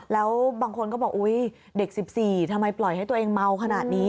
แล้วบางคนก็บอกอุ๊ยเด็ก๑๔ทำไมปล่อยให้ตัวเองเมาขนาดนี้